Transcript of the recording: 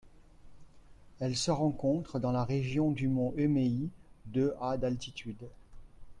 Elle se rencontre dans la région du mont Emei de à d'altitude.